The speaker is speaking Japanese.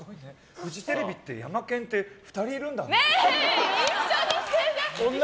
フジテレビってヤマケンって２人いるんだね。